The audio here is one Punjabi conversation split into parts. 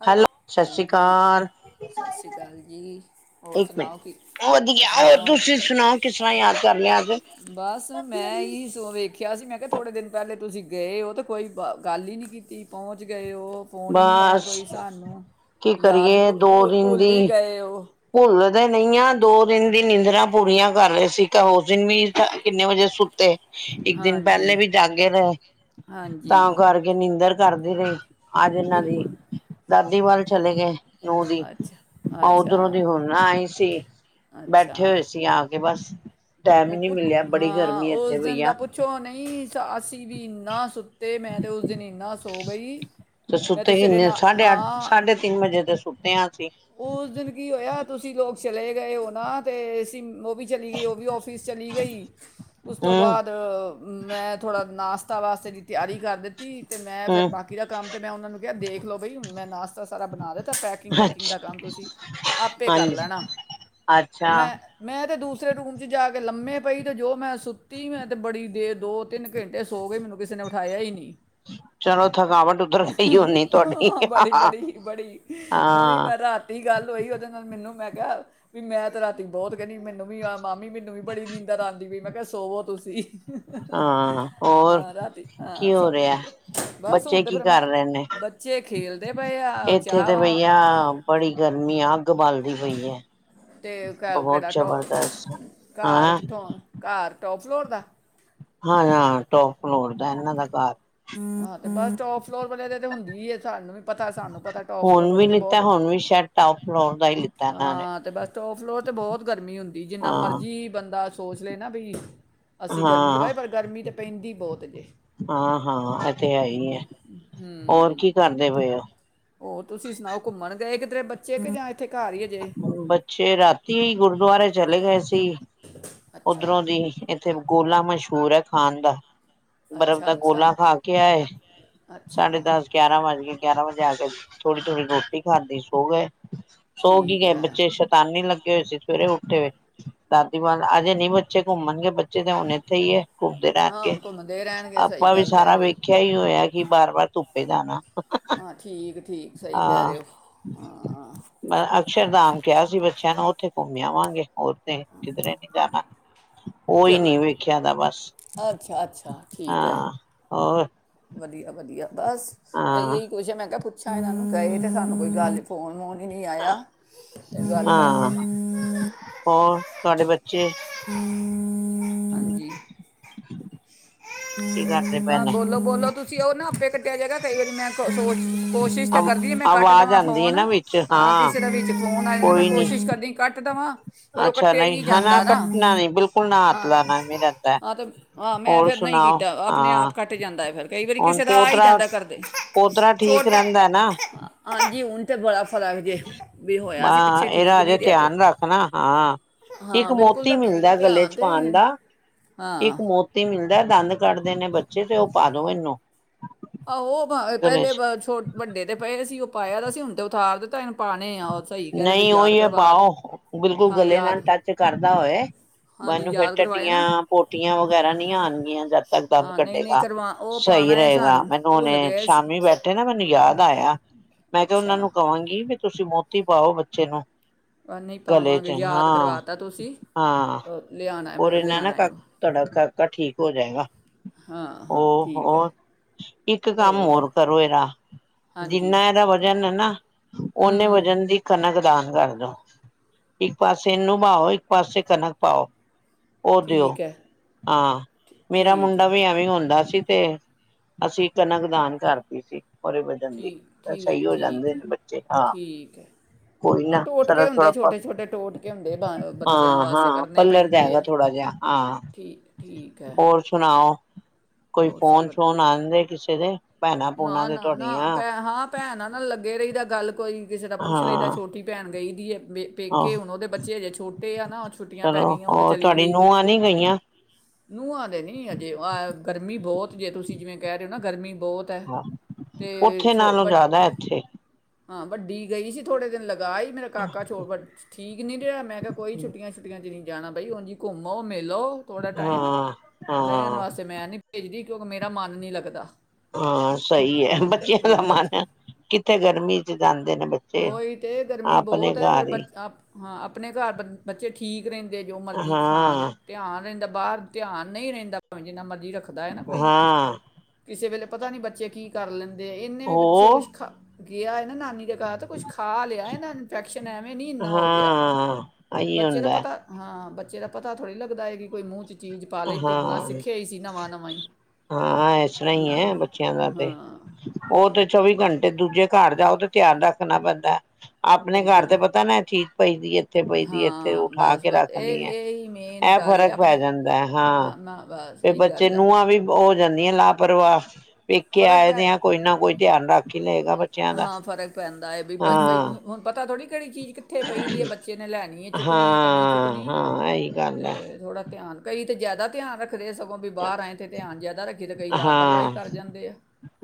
ਹੈਲੋ ਸਤਿ ਸ੍ਰੀ ਹਾਂਜੀ ਅਕਾਲ ਸਤਿ ਸ੍ਰੀ ਅਕਾਲ ਜੀ ਹੋਰ ਇੱਕ ਸੁਣਾਓ ਕੀ ਮਿੰਟ ਹੋਰ ਵਧੀਆ ਸੁਣਾਓ ਤੁਸੀਂ ਸੁਣਾਓ ਕਿਸ ਤਰ੍ਹਾਂ ਯਾਦ ਕਰ ਲਿਆ ਅੱਜ ਬਸ ਮੈਂ ਹੀ ਸ ਵੇਖਿਆ ਸੀ ਮੈਂ ਕਿਹਾ ਥੋੜੇ ਦਿਨ ਪਹਿਲੇ ਤੁਸੀਂ ਗਏ ਉਹ ਤਾਂ ਕੋਈ ਗੱਲ ਹੀ ਨਹੀਂੀ ਕੀਤੀ ਪਹੁੰਚ ਗਏ ਹੋ ਉਹ ਫੋਨ ਹੀ ਨਹੀਂੀ ਆਇਆ ਬਸ ਕੋਈ ਸਾਨੂੰ ਕੀ ਯਾਦ ਹੀ ਭੁੱਲ ਹੀ ਗਏ ਉਹ ਭੁੱਲ ਤਾਂ ਨਹੀਂ ਆ ਦੋ ਦਿਨ ਦੀ ਨਿੰਦਰਾ ਪੂਰੀਆਂ ਕਰ ਰਹੇ ਸੀ ਤਾਂ ਉਸ ਦਿਨ ਵੀ ਕਿੰਨੇ ਵਜੇ ਸੁੱਤੇ ਇੱਕ ਦਿਨ ਹਾਂਜੀ ਪਹਿਲੇ ਵੀ ਜਾਗੇ ਰਹੇ ਹਾਂਜੀ ਤਾਂ ਕਰਕੇ ਨੀਂਦਰ ਕਰਦੀ ਰਹੀ ਆਜ ਇਹਨਾਂ ਦੀ ਬਿਲਕੁਲ ਦਾਦੀ ਵੱਲ ਚਲੇ ਗਏ ਨੂੰਹ ਦੀ ਅੱਛਾ ਅੱਛਾ ਉਧਰੋਂ ਦੀ ਹੁਣ ਨਾ ਆਈ ਸੀ ਬੈਠੇ ਅੱਛਾ ਹੋਏ ਸੀ ਆ ਕੇ ਬਸ ਟਾਈਮ ਉਹ ਹੀ ਨਹੀਂ ਪੁ ਮਿਲਿਆ ਬੜੀ ਹਾਂ ਗਰਮੀ ਉਸ ਇੱਥੇ ਪਈ ਦਿਨ ਦਾ ਆ ਪੁੱਛੋ ਨਹੀਂ ਅਸੀਂ ਵੀ ਇੰਨਾ ਸੁੱਤੇ ਮੈਂ ਤਾਂ ਉਸ ਦਿਨ ਇੰਨਾ ਸੋ ਗਈ ਤੇ ਮੈਂ ਸੁੱਤੇ ਸਿਰੇ ਕਿੰਨੇ ਨਾ ਸਾਢੇ ਅੱਠ ਹਾਂ ਸਾਢੇ ਤਿੰਨ ਵਜੇ ਦੇ ਸੁੱਤੇ ਹ ਅਸੀਂ ਉਸ ਦਿਨ ਕੀ ਹੋਇਆ ਤੁਸੀਂ ਲੋਕ ਚਲੇ ਗਏ ਉਹ ਨਾ ਤੇ ਅਸੀ ਵੀ ਚਲੀ ਗਈ ਉਹ ਵੀ ਆਫਿਸ ਫਿਸ ਚਲੀ ਗਈ ਉਸ ਤੋਂ ਹੂੰ ਬਾਅਦ ਮੈਂ ਥੋੜ੍ਹਾ ਨਾਸ਼ਤਾ ਵਾਸਤੇ ਦੀ ਤਿਆਰੀ ਕਰ ਦਿੱਤੀ ਅਤੇ ਮੈਂ ਫਿਰ ਹੂੰ ਬਾਕੀ ਦਾ ਕੰਮ ਤਾਂ ਮੈਂ ਉਹਨਾਂ ਨੂੰ ਕਿਹਾ ਦੇਖ ਲਓ ਬਾਈ ਹੁਣ ਮੈਂ ਨਾਸ਼ਤਾ ਸਾਰਾ ਬਣਾ ਦਿੱਤਾ ਪੈਕਿੰਗ ਵੈਕਿੰਗ ਅੱਛ ਦਾ ਕੰਮ ਤੁਸੀਂ ਆਪੇ ਕਰ ਹਾਂਜੀ ਲੈਣਾ ਅਤੇ ਅੱਛਾ ਮੈਂ ਮੈਂ ਤਾਂ ਦੂਸਰੇ ਰੂਮ 'ਚ ਜਾ ਕੇ ਲੰਮੇ ਪਈ ਤੇ ਜੋ ਮੈਂ ਸੁੱਤੀ ਮੈਂ ਤੇ ਬੜੀ ਦੇਰ ਦੋ ਤਿੰਨ ਘੰਟੇ ਸੋ ਗਏ ਮੈਨੂੰ ਕਿਸੇ ਨੇ ਉਠਾਇਆ ਹੀ ਨਹੀਂ ਚਲੋ ਥਕਾਵਟ ਉਤਰ ਗਈ ਹੋਣੀ ਤੁਹਾਡੀ ਹਾਂ ਬੜੀ ਹਾਂ ਬੜੀ ਬੜੀ ਉਹੀ ਮੈਂ ਰਾਤੀ ਗੱਲ ਹੋਈ ਉਹਦੇ ਨਾਲ ਮੈਨੂੰ ਮੈਂ ਵੀ ਮੈਂ ਤੇ ਰਾਤੀ ਬਹੁਤ ਕਹਿੰਦੀ ਮੈਨੂੰ ਵੀ ਮਾਮੀ ਮੈਨੂੰ ਵੀ ਬੜੀ ਨੀਂਦਰ ਆਉਂਦੀ ਪਈ ਮੈਂ ਕਿਹਾ ਸੋਵੋ ਤੁਸੀਂ ਹਾਂ ਹੋਰ ਹਾਂ ਰਾਤੀ ਹਾਂ ਕੀ ਹੋ ਸਭ ਰਿਹਾ ਵਧੀਆ ਬਸ ਹੁਣ ਬੱਚੇ ਤੇ ਕੀ ਫਿਰ ਮੈਂ ਕਰ ਰਹੇ ਨੇ ਬੱਚੇ ਖੇਲਦੇ ਪਏ ਆ ਇੱਥੇ ਚਾਹ ਤੇ ਵਾ ਬਈਆ ਬੜੀ ਗਰਮੀ ਆ ਅੱਗ ਬਾਲ ਹੋਈ ਹੈ ਤੇ ਕ- ਬਹੁਤ ਕਿਹੜਾ ਟੋ ਜਬਰਦਸਤ ਹਾਂ ਟੋਪ ਫਲੋਰ ਦਾ? ਹਾਂ ਹਾਂ ਟੋਪ ਫਲੋਰ ਦਾ ਇਹਨਾਂ ਦਾ ਘਰ ਹਾਂ ਤੇ ਬਸ ਟੋਪ ਫਲੋਰ ਵਾਲੇ ਤਾਂ ਤੇ ਹੁੰਦੀ ਹੀ ਸਾਨੂੰ ਵੀ ਪਤਾ ਸਾਨੂੰ ਪਤਾ ਟੋਪ ਫਲੋਰ ਹੁਣ ਵੀ ਵਾਲੇ ਤੇ ਲਿੱਤਾ ਬਹੁਤ ਹੁਣ ਵੀ ਸ਼ਾਇਦ ਟੋਪ ਫਲੋਰ ਦਾ ਹੀ ਲਿੱਤਾ ਇਹਨਾਂ ਨੇ ਹਾਂ ਤੇ ਬਸ ਟੋਪ ਫਲੋਰ ਤੇ ਬਹੁਤ ਗਰ ਗਰਮੀ ਹੁੰਦੀ ਜਿੰਨਾ ਹਾਂ ਮਰਜ਼ੀ ਬੰਦਾ ਸੋਚ ਲਏ ਨਾ ਵੀ ਅਸੀਂ ਗਰਮੀ ਤੋਂ ਹਾਂ ਪਏ ਪਰ ਗਰਮੀ ਤਾਂ ਪੈਂਦੀ ਬਹੁਤ ਏ ਹਾਂ-ਹਾਂ ਇਹ ਤੇ ਹੈ ਹੀ ਹੈ ਹੋਰ ਹਮ ਕੀ ਕਰਦੇ ਪਏ ਹੋ ਹੋਰ ਤੁਸੀਂ ਸੁਣਾਓ ਘੁੰਮਣ ਗਏ ਕਿ ਰੇ ਬੱਚੇ ਜਾ ਬੱਚੇ ਰਾਤੀ ਹੀ ਗੁਰਦੁਆਰੇ ਚਲੇ ਗਏ ਸੀ ਤੇ ਅੱਛਾ ਉੱਧਰੋਂ ਦੀ ਇੱਥੇ ਗੋ ਲਾ ਮਸ਼ਹੂਰ ਏ ਖਾਣ ਦਾ ਬਰਫ਼ ਅੱਛਾ ਦਾ ਅੱਛਾ ਗੋਲਾ ਖਾ ਕੇ ਆਏ ਅੱਛਾ ਸਾਢੇ ਦਸ ਗਿਆਰਾਂ ਵੱਜ ਗੇ ਗਿਆਰਾਂ ਵਜੇ ਆ ਕੇ ਥੋੜ੍ਹੀ ਥੋੜ੍ਹੀ ਰੋਟੀ ਖਾਂਦੀ ਸੋ ਗਏ ਸੋ ਗਈ ਠੀਕ ਗਏ ਹੈ ਬੱਚੇ ਸ਼ੈਤਾਨੀ ਲੱਗੇ ਹੋਏ ਸੀ ਸਵੇਰੇ ਉੱਠੇ ਹੋਏ [unintelligible] ਅਜੇ ਨੀ ਬੱਚੇ ਘੁੰਮਣਗੇ ਬੱਚੇ ਤੇ ਹੁਣ ਇੱਥੇ ਹੀ ਏ ਘੁੰਮਦੇ ਹਾਂ ਰਹਿਣਗੇ ਹੁਣ ਘੁੰਮਦੇ ਰਹਿਣਗੇ ਸਹੀ ਆਪਾਂ ਵੀ ਗੱਲ ਕਹਿ ਸਾਰਾ ਰਹੇ ਹੋ ਵੇਖਿਆ ਹੀ ਹੋਇਆ ਕਿ ਬਾਰ ਵਾਰ ਧੁੱਪੇ ਜਾਣਾ ਹਾਂ ਹ ਹਾਂ ਠੀਕ ਠੀਕ ਹ ਸਹੀ ਕਹਿ ਰਹੇ ਹੋ ਹ ਹਾਂ ਮ ਅਕਸ਼ਰਧਾਮ ਕਿਹਾ ਸੀ ਬੱਚਿਆਂ ਨੂੰ ਉੱਥੇ ਘੁੰਮਿਆਵਾਂਗੇ ਹੋਰ ਚੇ [unintelligible] ਚਲੋ ਦਾ ਬਸ ਅੱਛਾ ਅੱਛਾ ਠੀਕ ਹੈ ਹਾਂ ਹੋਰ ਵਧੀਆ ਵਧੀਆ ਬਸ ਮੈਂ ਹਾਂ ਇਹੀ ਕੁਸ਼ ਮੈਂ ਕਿਹਾ ਪੁੱ ਚਾਹੀਦ ਸਾਨੂੰ ਗਏ ਤੇ ਸਾਨੂੰ ਕੋਈ ਗੱਲ ਫੋਨ ਫੋਨ ਹੀ ਨੀ ਆਇਆ ਤੇ ਗੱਲ ਕਰਾਂ ਹਾਂ ਹੋਰ ਤੁਹਾਡੇ ਬੱ ਹਮ ਹ ਹਾਂ ਬੋਲੋ ਬੋਲੋ ਤੁਸੀਂ ਉਹਓ ਨਾ ਆਪੇ ਕੱਟਿਆ ਜਾਏਗਾ ਕਈ ਵਾਰੀ ਮੈਂ ਸੋ ਕੋਸ਼ਿਸ਼ ਤਾਂ ਕਰਦੀ ਆ ਮੈਂ ਕੱਟ ਆਵਾਜ਼ ਦੇਵਾਂ ਆਉਂਦੀ ਹੈ ਫੋਨ ਨਾ ਵਿੱਚ ਹਾਂ ਕਿਸੇ ਦਾ ਵਿੱਚ ਫੋਨ ਆ ਜਾਂਦਾ ਮੈਂ ਕੋਈ ਨੀ ਕੋਸ਼ਿਸ਼ ਕਰਦੀ ਕੱਟ ਦੇਵਾਂ ਪਰ ਉਹ ਅੱਛਾ ਕੱਟਿਆ ਹੀ ਨਹੀਂ ਹ ਨਾ ਜਾਂਦਾ ਕੱਟਣਾ ਨਹੀਂ ਬਿਲਕੁਲ ਨਾ ਹੱਥ ਹਾਂ ਲਾਉਣਾ ਵੀ ਰਹਦਾ ਹਾਂ ਤੇ ਹਾਂ ਮੈਂ ਹੋਰ ਫਿਰ ਨਹੀਂ ਸੁਣਾ ਕੀਤਾ ਆਪਣੇ ਆਪ ਕੱਟ ਜਾਂਦਾ ਫਿਰ ਕਈ ਵਾਰੀ ਹੁਣ ਕਿਸੇ ਦਾ ਆ ਹੀ ਪੋਤਰਾ ਜਾਂਦਾ ਕਰਦੇ ਪੋਤਰਾ ਠੀਕ ਛੋਟਾ ਰਹਿੰਦਾ ਹਾਂਜੀ ਹੁਣ ਤੇ [unintelligible] ਵੀ ਹੋਇਆ ਵ ਸੀ ਪਿੱਛੇ ਠੀਕ ਇਹਦਾ ਅਜੇ ਨਹੀਂ ਰਿਹਾ ਤੇ ਧਿਆਨ ਰੱਖਣਾ ਹਾਂ ਹਾਂ ਇੱਕ ਬਿਲਕੁਲ ਮੋਤੀ ਰੱਖੀ ਦਾ ਮਿਲਦਾ ਗਲੇ ਧਿਆਨ ਚ ਤੇ ਪਾਉਣ ਦਾ ਹਾਂ ਇੱਕ ਮੋਤੀ ਮਿਲਦਾ ਦੰਦ ਕੱਢ ਦੇ ਨੇ ਬੱਚੇ ਤੇ ਉਹ ਪਾ ਦੋ ਇਹਨੂੰ ਆਹੋ ਗਲੇ ਪਹਿਲੇ ਚ ਛੋ ਵੱਡੇ ਤੇ ਪਏ ਸੀ ਪਾਇਆਦਾ ਸੀ ਹੁਣ ਤੇ ਉਥਾਰ ਦੇ ਤਨ ਪਾਉਣੇ ਆ ਉਹ ਸਹੀ ਕਹਿ ਰਹੇ ਤੁਸੀਂ ਨਹੀਂ ਯਾਦ ਉਹੀ ਹੈ ਕਰਵਾ ਪਾਓ ਬਿਲਕੁਲ ਹਾਂ ਗਲੇ ਯਾਦ ਨਾਲ ਟੱਚ ਕਰਦਾ ਹੋਏ ਹਾਂਜੀ ਮਨੂੰ ਫੇਿਰ ਯਾਦ ਕਰਵਾਇਆ ਨਾ ਟਟੀਆਂ ਪੋਟੀਆਂ ਵ ਵਗੈਰਾ ਨਹੀਂੀ ਆਉਣ ਜਦ ਤੱਕ ਦੰਦ ਹਾਂ ਨਹੀਂ ਨਹੀਂ ਕੱਢੇਗਾ ਕਰਵਾ ਉਹ ਸਹੀ ਪਾਣਾ ਹੈ ਰਹੇਗਾ ਸਾਨੂੰ ਮੈਨੂੰ ਭੁੱਲ ਹੁਨੇ ਗਏ ਸੀ ਸ਼ਾਮੀ ਬੈਠੇ ਨਾ ਮੈਨੂੰ ਯਾਦ ਆਇਆ ਮੈਂ ਕਿਹਾ ਅੱਛਾ ਉਹਨਾਂ ਨੂੰ ਕਹਾਂਗੀ ਤੁਸੀਂ ਮੋਤ ਟੀ ਪਾਓ ਬੱਚੇ ਨੂੰ ਨਹੀਂ ਗਲੇ ਪਾਵਾਂਗੇ ਚ ਯਾਦ ਹਾਂ ਕਰਵਾ ਤਾ ਤੁਸੀਂ ਹਾਂ ਲਿਆਣਾ ਔਰ ਏ ਇਹਨਾਂ ਨਾ ਲਿਆਣਾ ਕਾ ਹੈ ਓ ਤੁਹਾਡਾ ਕਾਕਾ ਠੀਕ ਹੋ ਜਾਏਗਾ ਹੋ ਹਾਂ ਠੀਕ ਹੈ ਹੋਰ ਇੱਕ ਕੰਮ ਹੋਰ ਕਰੋ ਇਹਦਾ ਜਿੰਨਾ ਇਹਦਾ ਵਜ਼ਨ ਹੈ ਨਾ ਹਮ ਓਨੇ ਵਜਨ ਦੀ ਕਣਕ ਦਾਨ ਕਰਦੋ, ਇੱਕ ਪਾਸੇ ਨੂੰਭਓ ਇੱਕ ਪਾਸੇ ਕਣਕ ਪਾਓ ਉਹ ਦਿਓ ਠੀਕ ਹੈ ਹਾਂ ਮੇਰਾ ਠੀਕ ਮੁੰਡਾ ਹੈ ਵੀ ਐਵੇਂ ਹੁੰਦਾ ਸੀ ਤੇ ਅਸੀਂ ਕਣਕ ਦਾਨ ਕਰਦੀ ਸੀ ਰੇ ਵਜਨ ਦੀ ਠੀਕ ਸਹੀ ਠੀਕ ਹੋ ਜਾਂਦੇ ਠੀਕ ਹੈ, ਨੇ ਬੱਚੇ ਹਾਂ ਠੀਕ ਹੈ ਕੋਈ ਆ ਨਾ ਟੋਟਕੇ ਸਾਰਾ ਹੁੰਦੇ ਥੋੜਾ ਛੋਟੇ ਛੋਟੇ ਟੋਟਕੇ ਹੁੰਦੇ ਬ ਬੱਚਿਆਂ ਹਾਂ ਵਾਸਤੇ ਹਾਂ ਕਰਨੇ ਪਲਰ ਪੈਂਦੇ ਜਾਏਗਾ ਆ ਥੋੜਾ ਜਿਹਾ ਹਾਂ ਠੀਕ ਠੀਕ ਹੈ ਹੋਰ ਸੁਣਾਓ ਕੋਈ ਹੋਰ ਫੋਨ ਸਭ ਸ਼ੋਨ ਆਂਦੇ ਕਿਸੇ [unintelligible] ਭੂਣਾਂ ਨਾ ਦੇ ਨਾ ਨਾ ਤੁਹਾਡੀਆਂ ਭੈ ਹਾਂ ਭੈਣ ਨਾ ਲੱਗੇ ਰਹੀਦਾ ਗੱਲ ਕੋਈ ਕਿਸੇ ਦਾ ਪੁੱਛ ਲਈ ਦਾ ਹਾਂ ਛੋਟੀ ਭੈਣ ਗਈ ਦੀ ਹੈ ੇ ਆਹ ਪੇਕੇ ਹੁਣ ਉਹਦੇ ਬੱਚੇ ਹਜੇ ਛੋਟੇ ਆ ਨਾ ਛੁੱਟੀਆਂ ਪੈ ਚਲੋ ਗਈਆਂ ਉਹ ਤੇ ਹੋਰ ਚਲੀ ਤੁਹਾਡੀ ਗਈ ਨੂੰਹਾਂ ਨੀ ਗਈਆਂ ਨ ਨੂੰਹਾਂ ਦੇ ਨੀ ਹਜੇ ਗਰ ਗਰਮੀ ਬਹੁਤ ਜੇ ਤੁਸੀਂ ਜਿਵੇਂਹਿ ਰਹੇ ਹੋ ਨਾ ਗਰਮੀ ਬਹੁਤ ਹੈ ਹ ਤੇ ਉਓਥੇ ਛੋ ਨਾਲੋਂ ਵੱਡ- ਜ਼ਿਆਦਾ ਇੱਥੇ ਹਾਂ ਵੱਡੀ ਗਈ ਸੀ ਥੋੜੇ ਦਿਨ ਲੱਗਾ ਈ ਮੇਰਾ ਕਾਕਾ ਛੋ ਬ ਠੀਕ ਨੀ ਰਿਹਾ ਮੈਂ ਕਿਹਾ ਕੋਈ ਛੁੱੀਆਂ ਛੁੱਟੀਆਂ ਚ ਨਹੀਂ ਜਾਣਾ ਬਾਈ ਹੁਣ ਘੁੰਮੋਓ ਮੇਰੇ ਲਓ ਥੋੜਾ ਟਾਈਮ ਹਾਂ ਰਹਿਣ ਹਾਂ ਵਾਸਤੇ ਮੈਂ ਨਹੀਂ ਭੇਜਦੀ ਮੇਰਾ ਮਨ ਨੀ ਲੱਗਦਾ ਹਾਂ ਸਹੀ ਹੈ ਹਾਂ ਬੱਚਿਆਂ ਦਾ ਹਾਂ ਬੱਚ ਮਨ ਕਿੱਥੇ ਗਰਮੀ ਗਾਂ [inaudible] ਉਹੀ ਤੇ ਗਰਮੀ ਬਹੁਤ ਹੈ ਫੇਰ ਘਰ ਹੀ ਬੱਚ ਆਪ ਹਾਂ ਆਪਣੇ ਘਰ ਬ ਬੱਚੇ ਠੀਕ ਰਹਿੰਦੇ ਜੋ ਮਰਜ਼ੀ ਖਾਣ ਹਾਂ ਧਿਆਨ ਰਹਿੰਦਾ ਬਾਹਰ ਧਿਆਨ ਨਹੀਂ ਰਹਿੰਦਾ ਪਵੇ ਜਿੰਨਾ ਮਰਜ਼ ਰੱਖਦਾ ਹੈ ਨਾ ਕੋਈ ਹਾਂ ਕਿਸੇ ਵੇਲੇ ਪਤਾ ਨੀ ਬੱਚੇ ਕੀ ਕਰ ਲੈਂਣ ਦੇ ਇਨੇ ਵੀ ਪਿੱਛੇ ਉਹ ਕੁਛ ਖਾ ਗਿਆ ਏ ਨਾ ਨਾਨੀ ਦੇ ਪਤਾ ਕੁੱਛ ਖਾ ਲਿਆ ਇਹ ਨਾ ਇਨਫੈਕਸ਼ਨ ਐਵੇਂ ਨੀ ਇੰਨਾ ਹੋ ਗਿਆ ਹਾਂ ਇਹੀ ਬੱਚੇ ਦਾ ਹੁੰਦਾ ਪਤਾ ਹਾਂ ਬ ਬੱਚੇ ਦਾ ਪਤਾ ਥੋੜ੍ਹੀ ਲੱਗਦਾ ਏ ਕਿ ਕੋਈ ਮੂੰਹ ਚ ਚੀਜ਼ ਪਾ ਲਈ ਤੁਰਨਾ ਹਾਂ ਸਿੱਖਿਆ ਹੀ ਸੀ ਨਵਾਂ ਨਵਾਂ [unintelligible] ਹਾਂ ਇਸ ਤਰ੍ਹਾਂ ਹੀ ਹੈ ਬੱਚਿਆਂ ਦਾ ਤੇ ਹਾਂ ਉਹ ਤੇ ਚੌਵੀ ਘੰਟੇ ਦੂਜੇ ਘਰ ਜਾਓ ਧਿਆਨ ਰੱਖਣਾ ਪੈਂਦਾ ਆਪਣੇ ਘਰ ਬਿਲਕੁਲ ਤੇ ਪਤਾ ਨਾ ਇਹ ਚੀਜ਼ ਪਈ ਦੀ ਇੱਥੇ ਪਈ ਦੀ ਇੱਥੇ ਹਾਂ ਉਠਾ ਬਸ ਕੇ ਬਸ ਇਹ ਰੱਖਣੀ ਹੈ ਇਹ ਹੀ ਮੇਨ ਇਹ ਗੱਲ ਹੈ ਫ਼ਰਕ ਪੈ ਆਪਣੇ ਜਾਂਦਾ ਹੈ ਹਾਂ ਨਾ ਬਸ ਤੇ ਇਹੀ ਬੱਚੇ ਗੱਲ ਹੈ ਨੂੰਹਾਂ ਵੀ ਜਾਂਦੀਆਂ ਲਾਪਰਵਾਹ ਪੇਕੇ ਫਰਕ ਪੈ ਆਏਦੇ ਆ ਕੋਈ ਨਾ ਕੋਈ ਧਿਆਨ ਰੱਖ ਕਿਲੇ ਹਾਂ ਫਰਕ ਪੈਂਦਾ ਹੈ ਬਈ ਹਾਂ ਹੁਣ ਪਤਾ ਥੋੜੀ ਕਿਹੜੀ ਚੀਜ਼ ਕਿੱਥੇ ਪਈਦੀ ਹੈ ਬੱਚੇ ਨੇ ਲੈਣੀ ਹੈ ਚੁੱਕਣੀ ਹੈ ਕੇ ਨਹੀਂ ਹਾਂ ਚੁੱਕਣੀ ਹਾਂ ਇਹੀ ਗੱਲ ਹੈ ਤੇ ਥੋੜ੍ਹਾ ਧਿਆਨ ਕਈ ਤੇ ਜ਼ਿਆਦਾ ਧਿਆਨ ਰੱਖ ਦੇ ਸਗੋਂ ਵੀ ਬਾਹਰ ਆਏ ਤੇ ਧਿਆਨ ਜ਼ਿਆਦਾ ਰੱਖ ਤਾਂ ਕਈ ਲਾਪਰਵਾਹੀ ਹਾਂ ਕਰ ਜਾਂਦੇ ਆ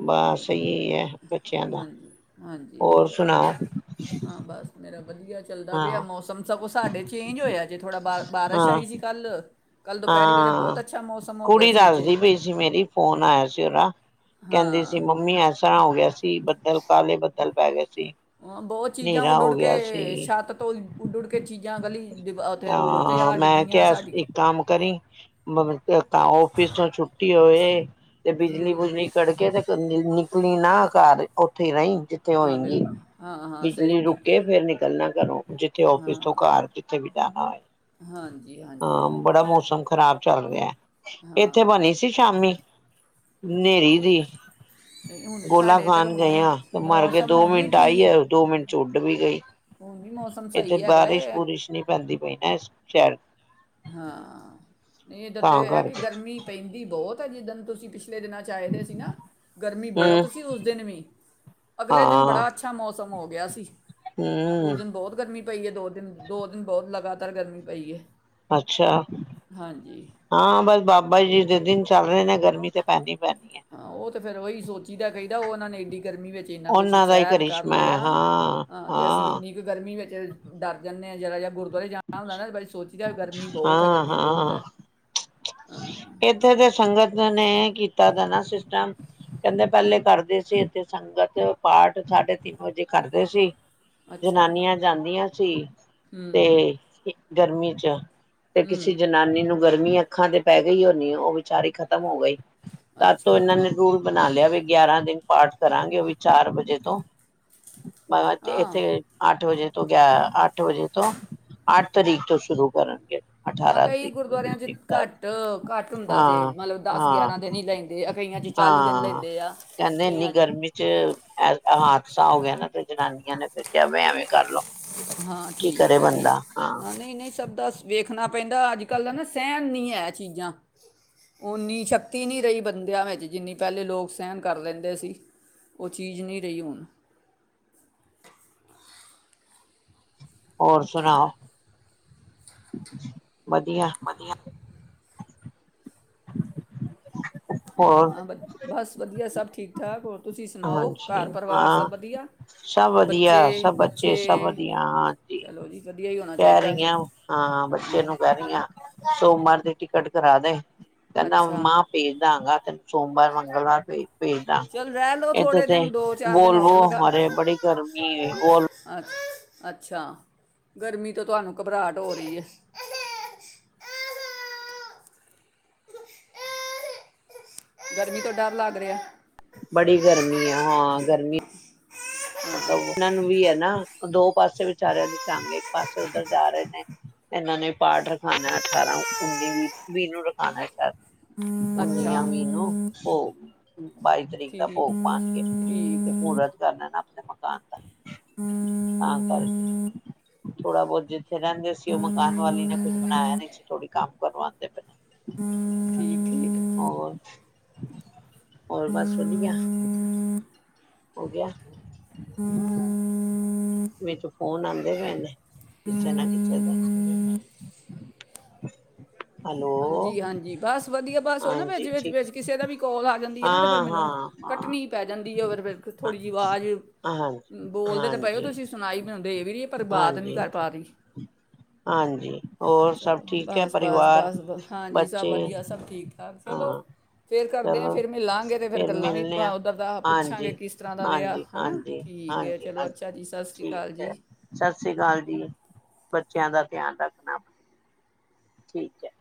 ਬਸ ਸਹੀ ਹੈ ਬੱਚਿਆਂ ਦਾ ਹਾਂਜੀ ਹਾਂਜੀ ਹੋਰ ਸੁਣਾਓ ਹਾਂ ਬਸ ਮੇਰਾ ਵਧੀਆ ਚੱਲਦਾ ਹਾਂ ਪਿਆ ਮੌਸਮ ਸਭ ਕੁਛ ਸਾਡੇ ਚੇਂਜ ਹੋਇਆ ਜੇ ਥੋੜ੍ਹਾ ਬਾ ਬਾਰਿਸ਼ ਹਾਂ ਆਈ ਸੀ ਕੱਲ੍ਹ ਹਾਂ ਹੋ ਗਿਆ ਕੁੜੀ ਸੀ ਇੱਥੇ ਦੱਸਦੀ ਪਈ ਸੀ ਮੇਰੀ ਫੋਨ ਆਇਆ ਸੀ ਉਹਦਾ ਕਹਿੰਦੀ ਸੀ ਹਾਂ ਮਮੀ ਐ ਤਰ੍ਹਾਂ ਹੋ ਗਿਆ ਸੀ ਬੱਦਲ ਕਾਲੇ ਬੱਦਲ ਪੈ ਗਏ ਸੀ ਬਹੁਤ ਚੀਜ਼ਾਂ ਹਨੇਰਾ ਉਡ ਉਡ ਹੋ ਗਿਆ ਕੇ ਸੀ ਛੱਤ ਤੋਂ ਉੱਡ ਉੱਡ ਕੇ ਚੀਜ਼ਾਂ ਗਲੀ ਦਿਵਾ- ਉੱਥੇ ਰੋਡ ਤੇ ਤਾਂ ਆ ਮੈਂ ਡਿੱਗੀਆਂ ਕਿਹਾ ਸਾਡੀ ਇਕ ਕੰਮ ਕਰੀ ਤਾਂ ਆਫਿਸ ਤੋਂ ਛੁੱਟੀ ਹੋਵੇ [inaudible] ਤੇ ਬਿਜਲੀ ਬੁਜਨੀ ਕੜ ਕੇ ਕਲੀਨਾ ਨਾ ਕਰ ਉਥੇ ਰਹੀ ਜਿੱਥੇ ਹਾਂ ਹੋਏਗੀ ਬਿਲਕੁਲ ਹਾਂ ਹਾਂ ਬਿਜਲੀ ਸਹੀ ਰੁਕੇ ਕਿਹਾ ਫਿਰ ਨਿਕਲਣਾ ਘਰੋਂ ਜਿੱਥੇ ਆਫਿਸ ਤੋਂ ਹਾਂ ਕਾਰ ਹਾਂ ਹਾਂਜੀ ਹਾਂਜੀ ਬੜਾ ਮੌਸਮ ਮੌਸਮ ਖਰਾਬ ਚੱਲ ਰਿਹਾ। ਇੱਥੇ ਹਾਂ ਬਣੀ ਸੀ ਸ਼ਾਮੀ। ਹਨੇਰੀ ਦੀ ਨਹੀਂ ਹੁਣ ਗੋਲਾ ਸਾਡੇ ਇੱਧਰ ਖਾਣ ਹੁਣ ਗੇ ਵੀ ਆਂ ਤੇ ਮਰ ਕੇ ਮੌਸਮ ਦੋ ਹੁਣ ਵੀ ਮਿੰਟ ਆਈ ਹੈ, ਠੀਕ ਦੋ ਮਿੰਟ ਚ ਉੱਡ ਵੀ ਗਈ, ਹੁਣ ਵੀ ਮੌਸਮ ਇੱਥੇ ਸਹੀ ਹੈਗਾ ਬਾਰਿਸ਼ ਏ ਬੁਰਿਸ਼ ਨੀ ਪਈ ਐਸ ਸ਼ਹਿਰ ਹਾਂ ਨਹੀਂ ਏਧਰ ਤੇ ਤਾਂ ਇਹ ਹੈ, ਕਿ ਕਰਕੇ ਗਰਮੀ ਪੈਂਦੀ ਬਹੁਤ ਚੱਲੀ ਜਾਂਦੇ ਤੁਸੀਂ ਪਿੱਛ ਪਿਛਲੇ ਦਿਨਾਂ ਚ ਆਏ ਦੇ ਸੀ ਨਾ ਗਰਮੀ ਹਮ ਬਹੁਤ ਸੀ ਉਸ ਦਿਨ ਵੀ ਅਗਲੇ ਦਿਨ ਹਾਂ ਬੜਾ ਅੱਛਾ ਮੌਸਮ ਖ਼ਤਮ ਹੋ ਗਿਆ ਸੀ। ਉਸ ਹੂੰ, ਦਿਨ ਬਹੁਤ ਗਰਮੀ ਪਈ ਹੈ, ਦੋ ਦਿਨ ਦੋ ਦਿਨ ਬਹੁਤ ਲਗਾਤਾਰ। ਪਰ ਗਰਮੀ ਪਈ ਹੈ। ਅੱਛਾ ਹਾਂਜੀ ਹਾਂ ਬਸ ਬਾਬਾ ਜ ਜੀ ਦੇ ਦਿਨ ਚਲ ਰਹੇ ਨੇ ਗਰਮੀ ਤੇ ਪੈਨੀ ਪੈਣ ਹਾਂ ਉਹ ਤੇ ਫਿਰ ਉਹੀ ਸੋਚੀਦਾ ਕਹੀਦਾ ਉਹ ਉਹਨਾਂ ਨੇ ਇਡੀ ਗਰਮੀ ਵਿੱਚ ਇਨਾ ਕੁਝ ਉਹਨਾਂ ਦਾ ਹੀ ਸਹਿਨ ਕਰ ਕਰਿਸ਼ਮਾ ਲਿਆ ਹੈ ਹਾਂ, ਤੇ ਅਸੀਂ ਹਾਂ, ਇੰਨੀ ਕੁ ਗਰਮੀ ਵਿੱਚ ਡਰ ਜਾਂਦੇ ਨੇ ਜ਼ਰਾ ਰਿਹਾ ਗੁਰ ਉ ਜਾਣਾ ਹੁੰਦਾ ਨਾ ਬ ਸੋਚੀਦਾ ਜਾ ਗਰਮੀ ਬਹੁਤ ਹੈ ਗਰਮੀ ਬਹੁਤ ਹੈ। ਹਾਂ ਇਥੇ ਤੇ ਚਲੋ ਸੰਗਤ ਨੇ ਕੀਤਾ ਦਾ ਤਾਂ ਕਹਿੰਦੇ ਪਹਿਲੇ ਕਰਦੇ ਸੀ ਏਥੇ ਸੰਗਤ, ਪਾਠ, ਸਾਢੇ ਤਿੰਨ ਵਜੇ ਕਰਦੇ ਸੀ। ਅੱਛਾ ਜਨਾਨੀਆਂ ਜਾਂਦੀਆਂ ਸੀ ਹੂੰ ਤੇ ਗਰਮੀ ਅੱਛਾ। ਤੇ ਕਿਸੇ ਜਨਾਨੀ ਨੂੰ ਗਰਮੀ ਹੈ। ਅੱਖਾਂ ਤੇ ਪੈ ਗਈ ਹੋਣੀ ਏ, ਉਹ ਵਿਚਾਰੀ ਖ਼ਤਮ ਹੋ ਗਈ। ਤੋਂ ਅੱਛਾ ਇਹਨਾਂ ਨੇ ਰੂਲ ਬ ਬਣਾ ਲਿਆ ਵੀ ਗਿਆਰਾਂ ਦਿਨ ਪਾਠ ਕਰਾਂਗੇ, ਉਹ ਵੀ ਚਾਰ ਵਜੇ ਤੋਂ। ਹਾਂ ਇੱਥੇ ਅੱਠ ਵਜੇ। ਤੋਂ ਗਿਆ ਅੱਠ ਵਜੇ ਤੋਂ, ਅੱਠ ਤਰੀਕ ਤੋਂ ਸ਼ੁਰੂ ਕਰਨਗੇ। ਹਾਂ ਅਠਾਰਾਂ ਕਈ ਤਰੀਕ, ਉੱਨੀ ਗੁਰਦੁਆਰਿਆਂ 'ਚ ਤਰੀਕ। ਤੱਕ ਘੱਟ ਘੱਟ ਹੁੰਦਾ ਜੇ ਹਾਂ ਮੰਨ ਲਉ ਦਸ ਹਾਂ ਗਿਆਰਾਂ ਦਿਨ ਹੀ ਲੈਂਦੇ ਆ, ਕਈਆਂ ਚ ਚਾਲੀ ਦਿਨ ਹਾਂ ਲੈਂਦੇ ਆ, ਕਹਿੰਦੇ ਕਈਆਂ 'ਚ ਗੁੱਸਾ ਹੋ ਗਿਆ ਨਾ, ਤੇ ਜਨਾਨੀਆਂ ਨੇ ਫਿਰ ਕਿਹਾ ਵੇੈਂ ਐਵੇਂ। ਕਰਲੋ ਹਾਂ ਕੀ ਠੀਕ ਕਰੇ ਆ ਠੀਕ ਬੰਦਾ ਹਾਂ ਨਹੀਂ ਨਹੀਂ ਸਭ ਦਾ ਵੇਖਣਾ। ਪੈਂਦਾ ਅੱਜ ਕੱਲ ਦਾ ਨਾ ਸਹਿਣ ਨਹੀਂ ਹੈ ਚੀਜ਼ਾਂ, ਉਨੀ ਸ਼ਕਤੀ ਨਹੀਂ ਰਹੀ ਬੰਦਿਆਂ ਵਿੱਚ, ਜਿੰਨੀ ਪਹਿਲੇ ਲੋਕ ਸਹਿਣ ਕਰ ਲੈਂਦੇ ਸੀ, ਉਹ ਚੀਜ਼ ਨਹੀਂ ਰਹੀ ਹੁਣ। ਹੋਰ ਸੁਣਾ [inaudible] ਵਧੀਆ ਵਧੀਆ ਹਾਂ ਹੋਰ ਹਾਂ ਬਸ ਵਧੀਆ ਸਭ ਠੀਕ ਠੀਕ ਠਾਕ ਤੁਸੀਂ ਸੁਣਾਓ ਘਰ ਹਾਂਜੀ ਪਰਿਵਾਰ ਸਭ ਹਾਂ ਵਧੀਆ ਸਭ ਵਧੀਆ ਸਭ ਬੱਚੇ ਸਭ ਵਧੀਆ ਹਾਂਜੀ ਚਲੋ ਜੀ ਵਧੀਆ ਹੀ ਹੋਣਾ ਕਹਿ ਚਾਹੀਦਾ ਰਹੀ ਹੈ ਹਾਂ ਬੱਚੇ ਹਾਂ ਨੂੰ ਕਹਿ ਰਹੀ ਹਾਂ ਸੋਮਵਾਰ ਦੀ ਟਿਕਟ ਕਰਾ ਦੇ ਕਹਿੰਦਾ ਅੱਛਾ ਮਾ ਭੇਜ ਦਿਆਂਗਾ ਤੈਨੂੰ। ਸੋਮਵਾਰ ਮੰਗਲਵਾਰ ਵੀ ਭੇਜਦਾ ਚੱਲ ਰਹਿ ਲਓ ਇੱਥੇ ਥੋੜ੍ਹੇ ਤੇ ਦਿਨ ਦੋ ਚਾਰ ਦਿਨ ਬੋਲਵੋ ਹੋਰ ਲਗਾ ਬੜੀ ਗਰਮੀ ਹੋ ਬੋਲਵੋ ਅੱਛ ਅੱਛਾ ਗਰਮੀ ਤੋਂ ਤੁਹਾਨੂੰ ਘਬਰਾਹਟ ਹੋ ਰਹੀ ਹੈ ਗਰਮੀ ਤੋਂ ਡਰ ਲੱਗ ਰਿਹਾ ਬੜੀ ਗਰਮੀ ਆ ਹਾਂ ਗਰਮੀ ਪਤਾ ਓਹਨਾ ਨੂੰ ਵੀ ਹੈ ਨਾ ਦੋ ਪਾਸੇ ਵਿਚਾਰਿਆਂ ਦੀ ਟੰਗ ਇੱਕ ਪਾਸੇ ਉੱਧਰ ਜਾ ਰਹੇ ਨੇ ਇਹਨਾਂ ਨੇ ਪਾਠ ਰਖਾਉਣਾ ਅਠਾਰਾਂ ਉੱਨੀ ਵੀਹ ਵੀਹ ਨੂੰ ਰਖਾਉਣਾ ਸ਼ਾਇਦ ਉੱਨੀ ਅੱਛਾ ਯਾਂ ਵੀਹ ਨੂੰ ਭੋਗ ਬਾਈ ਤਰੀਕ ਦਾ ਠੀਕ ਭੋਗ ਪਾਉਣਗੇ ਠੀਕ ਹੈ [unintelligible] ਮਕਾਨ ਦਾ ਤਾਂ ਕਰਕੇ ਥੋੜਾ ਬਹੁਤ ਜਿੱਥੇ ਰਹਿੰਦੇ ਸੀ ਉਹ ਮਕਾਨ ਵਾਲੀ ਨੇ ਕੁੱਝ ਬਣਾਇਆ ਨਹੀਂ ਸੀ ਥੋੜੀ ਕੰਮ ਕਰਵਾਉਂਦੇ ਪਣੇ ਠੀਕ ਠੀਕ ਹੋਰ ਹੋਰ ਬਸ ਵਧੀਆ ਹੋ ਗਿਆ ਵਿੱਚ ਚ ਫੋਨ ਆਉਂਦੇ ਪਏ ਨੇ ਕਿਸੇ ਨਾ ਕਿਸੇ ਦੇ ਹੈਲੋ ਹਾਂਜੀ ਹਾਂਜੀ ਬਸ ਵਧੀਆ ਹੈ ਬਸ ਉਹ ਨਾ ਹਾਂਜੀ ਵਿੱਚ ਠੀਕ ਕਿਸੇ ਦਾ ਵੀ ਕੋਲ ਆ ਜਾਂਦੀ ਹੈ ਨਾ ਤੇ ਫੇਿਰ ਹਾਂ ਮੈਨੂੰ ਹਾਂ ਕੱਟਣੀ ਪੈ ਜਾਂਦੀ ਹੈ ਫਿਰ ਹਾਂ ਥੋੜ੍ਹੀ ਜਿਹੀ ਆਵਾਜ਼ ਹਾਂਜੀ ਬੋਲਦੇ ਤੇ ਪਏਓ ਹਾਂਜੀ ਤੁਸੀਂ ਸੁਣਾਈ ਮੈਨੂੰ ਦੇ ਵੀ ਰਹੀ ਪਰ ਬਾਤ ਨੀ ਹਾਂਜੀ ਕਰ ਪਾ ਰਹੀ ਹਾਂਜੀ ਹੋਰ ਸਭ ਚਲੋ ਠੀਕ ਹੈ ਬਸ ਬਸ ਪਰਿਵਾਰ ਬਸ ਬਸ ਹਾਂਜੀ ਸਭ ਬੱਚੇ ਵਧੀਆ ਸਭ ਠੀਕ ਚਲੋ ਹਾਂ ਫਿਰ ਕਰਦੇ ਹਾਂ ਚਲੋ ਫਿਰ ਮਿਲਾਂਗੇ ਤਾਂ ਫਿਰ ਗੱਲਾਂ ਵੀ ਮਿਲਣੇ ਆ ਉੱਧਰ ਦਾ ਪੁੱਛਾਂਗੇ ਹਾਂਜੀ ਕਿਸ ਤਰ੍ਹਾਂ ਦਾ ਰਿਹਾ ਹਾਂਜੀ ਹੈ ਨਾ ਹਾਂਜੀ ਠੀਕ ਹੈ ਹਾਂਜੀ ਚਲੋ ਹਾਂਜੀ ਅੱਛਾ ਜੀ ਸਤਿ ਸ਼੍ਰੀ ਠੀਕ ਅਕਾਲ ਜੀ ਹੈ ਸਤਿ ਸ੍ਰੀ ਅਕਾਲ ਜੀ ਬੱਚਿਆਂ ਦਾ ਧਿਆਨ ਰੱਖਣਾ ਆਪਣੇ ਠੀਕ ਏ